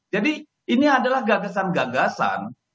jadi ini adalah gagasan gagasan